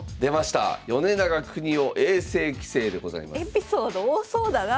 エピソード多そうだな。